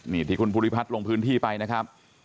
นี่ที่คุณภูริพัฒน์ลงพื้นที่ไปนะครับ